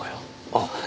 ああ。